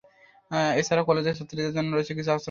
এছাড়া কলেজের ছাত্রীদের জন্য রয়েছে কিছু আচরণবিধি।